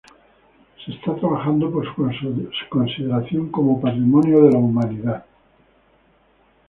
Se está trabajando por su consideración como patrimonio de la humanidad.